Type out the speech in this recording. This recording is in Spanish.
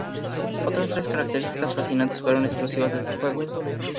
Otras tres características fascinantes fueron exclusivas de este juego.